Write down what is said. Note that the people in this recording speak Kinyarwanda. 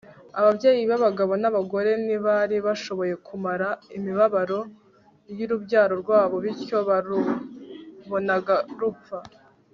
Ababyeyi babagabo nabagore ntibari bashoboye kumara imibabaro yurubyaro rwabo bityo barubonaga rupfa